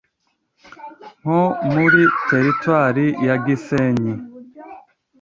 nko muri teritwari ya Gisenyi